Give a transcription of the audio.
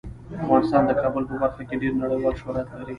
افغانستان د کابل په برخه کې ډیر نړیوال شهرت لري.